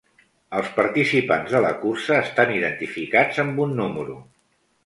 Els participants de la cursa estan identificats amb un número.